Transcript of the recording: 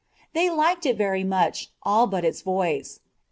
They liked it very much, all but its voice.